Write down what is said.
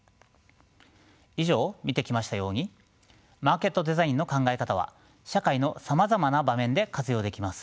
以上見てきましたようにマーケットデザインの考え方は社会のさまざまな場面で活用できます。